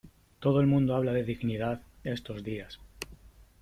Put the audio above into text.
Todo el mundo habla de dignidad, estos días.